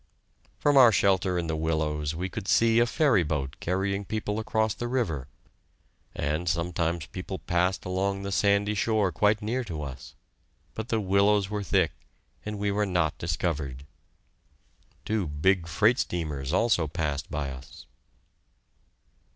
From our shelter in the willows we could see a ferry boat carrying people across the river, and sometimes people passed along the sandy shore quite near to us, but the willows were thick and we were not discovered. Two big freight steamers also passed by us.